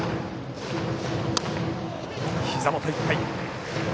ひざ元いっぱい。